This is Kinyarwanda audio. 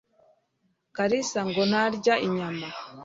karisa ngo ntarya inyama